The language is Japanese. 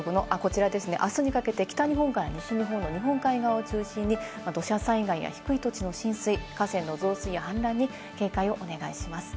では、あすにかけて北から西日本の日本海側を中心に土砂災害や低い土地の浸水、河川の増水や氾濫に警戒をお願いします。